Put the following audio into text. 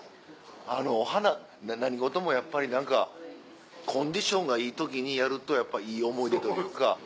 あのお花何事もやっぱり何かコンディションがいい時にやるとやっぱいい思い出というか。